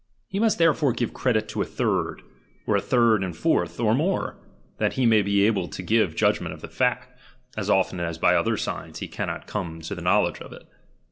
He must therefore give credit to a third, or a third and fourth, or more, that he may be able to give judgment of the fact, as often as by other signs he cannot come to the knowledge of it.